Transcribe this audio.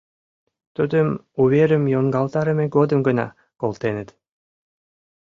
Тудым уверым йоҥгалтарыме годым гына колтеныт.